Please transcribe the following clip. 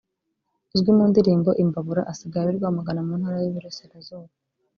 uzwi mu ndirimbo “Imbabura” asigaye aba I Rwamagana mu Ntara y’I Burasirazuba